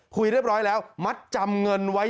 คุยเรียบร้อยแล้วมัดจำเงินไว้